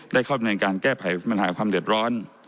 ได้เข้าในการแก้ไขปัญหาความเดือดร้อน